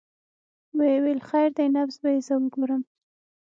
ويې ويل خير دى نبض به يې زه وګورم.